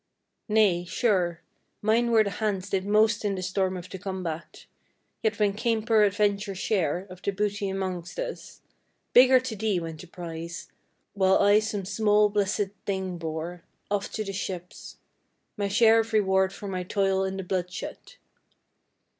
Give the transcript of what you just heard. Nay, sure, mine were the hands did most in the storm of the combat, Yet when came peradventure share of the booty amongst us, Bigger to thee went the prize, while I some small blessed thing bore Off to the ships, my share of reward for my toil in the bloodshed!